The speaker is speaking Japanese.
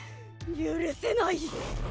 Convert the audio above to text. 許せない！